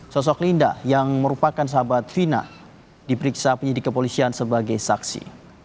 sosok linda yang merupakan sahabat fina diperiksa penyidik kepolisian sebagai saksi